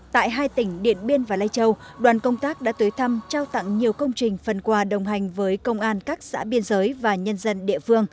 tại hai tỉnh điện biên và lây châu đoàn công tác đã tới thăm trao tặng nhiều công trình phần quà đồng hành với công an các xã biên giới và nhân dân địa phương